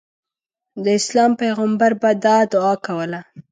د اسلام پیغمبر به دا دعا کوله.